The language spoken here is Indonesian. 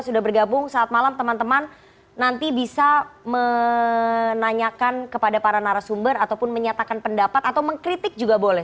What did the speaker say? sudah bergabung saat malam teman teman nanti bisa menanyakan kepada para narasumber ataupun menyatakan pendapat atau mengkritik juga boleh